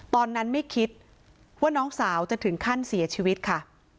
ตอนนั้นไม่คิดว่าน้องสาวจะถึงขั้นเสียชีวิตค่ะ